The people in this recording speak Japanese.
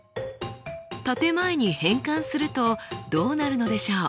建て前に変換するとどうなるのでしょう？